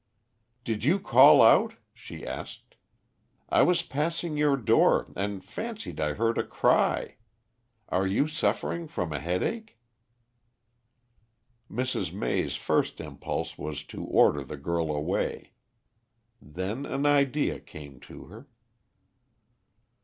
"Did you call out?" she asked. "I was passing your door and fancied I heard a cry. Are you still suffering from a headache?" Mrs. May's first impulse was to order the girl away. Then an idea came to her.